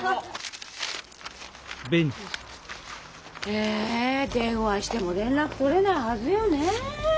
へえ電話しても連絡とれないはずよねえ。